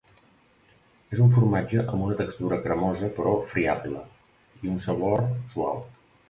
És un formatge amb una textura cremosa però friable i un sabor suau.